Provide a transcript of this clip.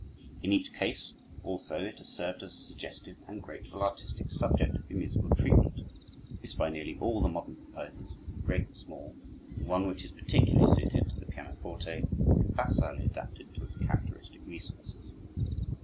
In each case also it has served as a suggestive and grateful artistic subject for musical treatment, used by nearly all the modern composers, great and small, and one which is particularly suited to the pianoforte and facilely adapted to its characteristic resources.